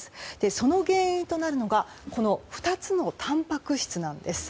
その原因となるのがこの２つのたんぱく質なんです。